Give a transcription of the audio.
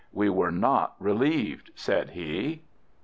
"We were not relieved," said he.